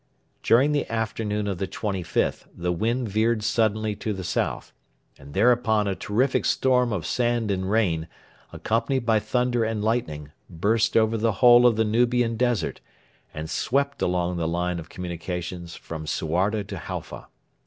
During the afternoon of the 25th the wind veered suddenly to the south, and thereupon a terrific storm of sand and rain, accompanied by thunder and lightning, burst over the whole of the Nubian desert, and swept along the line of communications from Suarda to Halfa.